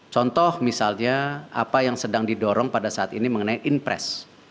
contoh misalnya apa yang sedang didorong pada saat ini mengenai impress